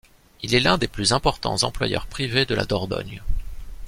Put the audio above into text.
Il est l'un des plus importants employeurs privés de la Dordogne.